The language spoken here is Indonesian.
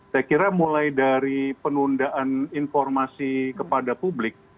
saya kira mulai dari penundaan informasi kepada publik